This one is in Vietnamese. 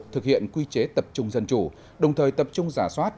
thực hiện quy chế tập trung dân chủ đồng thời tập trung giả soát